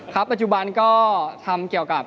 ปัจจุบันก็ทำเกี่ยวกับ